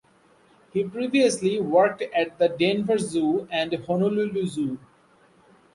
He previously worked at the Denver Zoo and Honolulu Zoo.